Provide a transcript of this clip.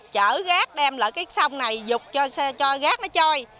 chở gác đem lỡ cái sông này dục cho xe cho gác nó choi